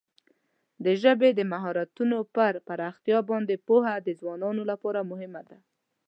د ژبې د مهارتونو پر پراختیا باندې پوهه د ځوانانو لپاره مهمه ده.